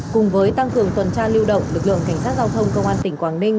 cùng với tăng cường tuần tra lưu động lực lượng cảnh sát giao thông công an tỉnh quảng ninh